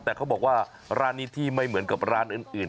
แต่เขาบอกว่าร้านนี้ที่ไม่เหมือนกับร้านอื่น